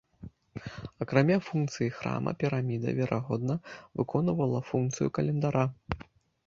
Акрамя функцыі храма піраміда, верагодна, выконвала функцыю календара.